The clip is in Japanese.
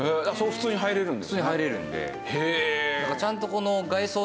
普通に入れるんで。